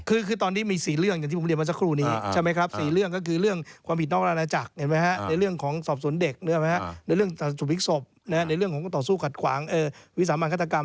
คือตอนนี้มี๔เรื่องอย่างที่ผมเรียนมาสักครู่นี้ใช่ไหมครับ๔เรื่องก็คือเรื่องความผิดนอกราชนาจักรในเรื่องของสอบสวนเด็กในเรื่องสุภิกศพในเรื่องของต่อสู้ขัดขวางวิสามันฆาตกรรม